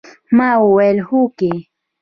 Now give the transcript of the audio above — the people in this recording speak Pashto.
ما وويل هوکې.